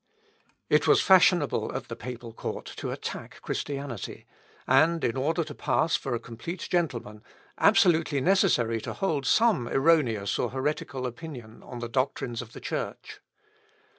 It was fashionable at the papal court to attack Christianity, and, in order to pass for a complete gentleman, absolutely necessary to hold some erroneous or heretical opinion on the doctrines of the Church.